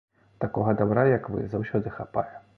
Такога дабра, як вы, заўсёды хапае.